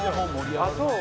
あっそう？